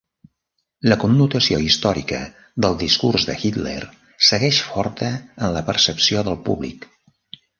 La connotació històrica del discurs de Hitler segueix forta en la percepció del públic.